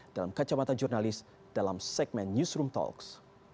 dalam kacamata jurnalis dalam segmen newsroom talks